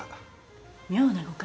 妙な。